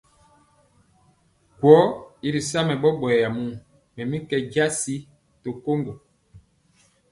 Gwɔ̄ i ri sa mɛ ɓɔɓɔyɛ muu, mɛ mi kɛ jasi to koŋgo.